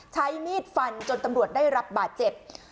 ใช้มีดฟันจนตำรวจได้รับบาดเจ็บ